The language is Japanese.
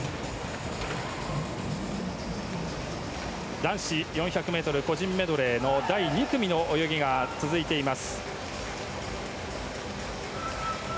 男子４００ｍ個人メドレーの第２組の泳ぎが続いています。